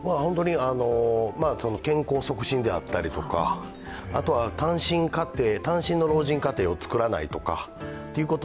健康促進であったりとか、あとは単身の老人家庭を作らないとか。